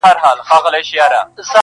لويي يوازي له خداى سره ښايي.